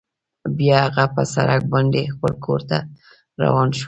بیا هغه په سړک باندې خپل کور ته روان شو